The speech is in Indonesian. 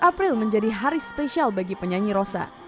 tiga belas april menjadi hari spesial bagi penyanyi rosa